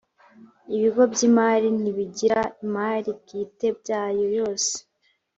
ibigo by’imali ntibigira imali bwite yabyo yose